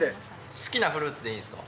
好きなフルーツでいいんですか？